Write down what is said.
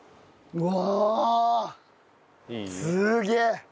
うわ！